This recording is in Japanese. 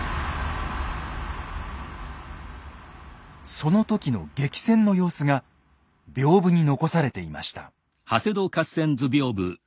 その時の激戦の様子が屏風に残されていました。